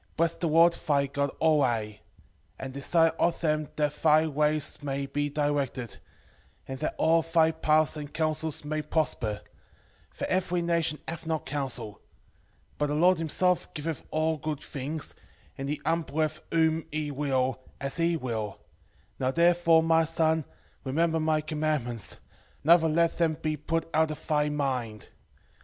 4:19 Bless the Lord thy God alway, and desire of him that thy ways may be directed, and that all thy paths and counsels may prosper: for every nation hath not counsel; but the Lord himself giveth all good things, and he humbleth whom he will, as he will; now therefore, my son, remember my commandments, neither let them be put out of thy mind.